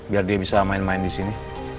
biar dia bisa main main disini